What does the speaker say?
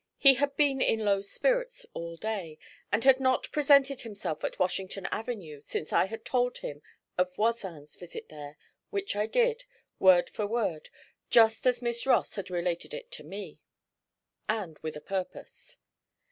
He had been in low spirits all day, and had not presented himself at Washington Avenue since I had told him of Voisin's visit there, which I did, word for word, just as Miss Ross had related it to me, and with a purpose.